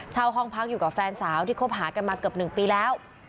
เช่าห้องพักอยู่กับแฟนสาวที่คบหากันมาเกือบ๑ปีแล้ว